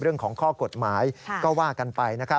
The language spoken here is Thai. เรื่องของข้อกฎหมายก็ว่ากันไป